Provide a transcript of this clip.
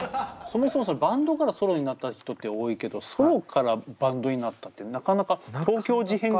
そもそもバンドからソロになった人って多いけどソロからバンドになったってなかなか東京事変ぐらいしか思いつかないよ。